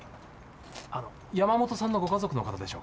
あの山本さんのご家族の方でしょうか？